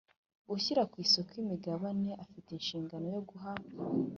Ushyira ku isoko imigabane afite inshingano yo guha